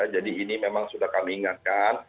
jadi ini memang sudah kami ingatkan